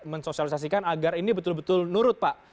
mensosialisasikan agar ini betul betul nurut pak